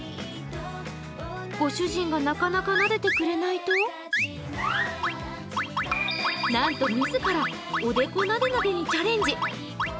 ご主人がなかなかなでてくれないとなんと自ら、おでこなでなでにチャレンジ。